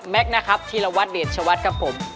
นะครับธีรวัตรเดชวัดครับผม